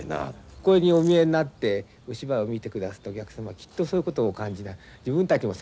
これにお見えになってお芝居を見てくださったお客様きっとそういうことをお感じに自分たちも参加してる。